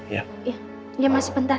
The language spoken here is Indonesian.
iya masih bentar